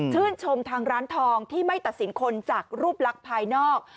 ชมทางร้านทองที่ไม่ตัดสินคนจากรูปลักษณ์ภายนอก